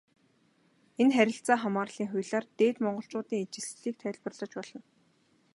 Энэ харилцаа хамаарлын хуулиар Дээд Монголчуудын ижилслийг тайлбарлаж болно.